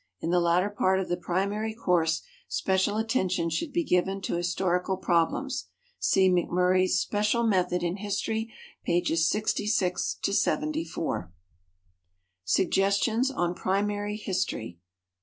In the latter part of the primary course special attention should be given to historical problems. See McMurry's "Special Method in History," pp. 66 74. Suggestions on Primary History.